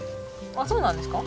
そうなんですか？